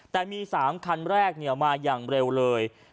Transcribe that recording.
แต่มี๓คันแรกมาอย่างเร็วเลย